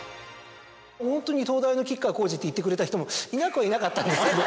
ホントに「東大の吉川晃司」って言ってくれた人もいなくはいなかったんですけど。